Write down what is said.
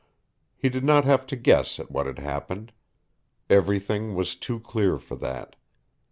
He did not have to guess at what had happened. Everything was too clear for that.